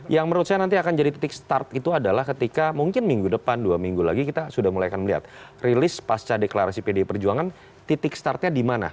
yang menurut saya nanti akan jadi titik start itu adalah ketika mungkin minggu depan dua minggu lagi kita sudah mulai akan melihat rilis pasca deklarasi pdi perjuangan titik startnya di mana